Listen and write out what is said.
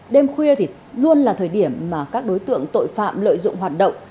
đêm khuya luôn là thời điểm các đối tượng tội phạm lợi dụng hoạt động